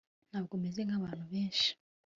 ntabwo meze nkabantu benshi